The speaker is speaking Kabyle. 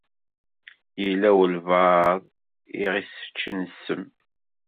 Yella walebɛaḍ i ɣ-iseččen ssem.